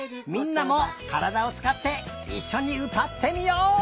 みんなもからだをつかっていっしょにうたってみよう！